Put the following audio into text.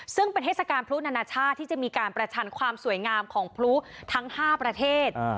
ซึ่งเป็นเทศกาลพลุนานาชาติที่จะมีการประชันความสวยงามของพลุทั้ง๕ประเทศ